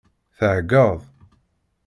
Theggaḍ?